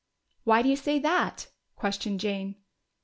"Why do you say that?" questioned Jane.